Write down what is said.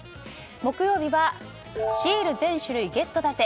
木曜日はシール全種類ゲットだぜ！